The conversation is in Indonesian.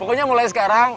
pokoknya mulai sekarang